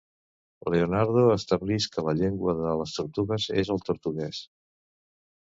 Leonardo: establisc que la llengua de les tortugues és el tortuguès.